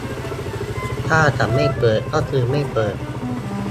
ถ้าจะไม่เปิด ก็คือไม่เปิด